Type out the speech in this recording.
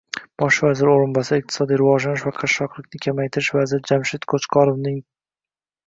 Bosh vazir o'rinbosari, Iqtisodiy rivojlanish va qashshoqlikni kamaytirish vaziri Jamshid Qo'chqorovning Kun